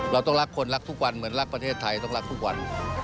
เราต้องรักคนรักทุกวันเหมือนรักประเทศไทยต้องรักทุกวัน